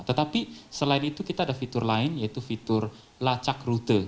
tetapi selain itu kita ada fitur lain yaitu fitur lacak rute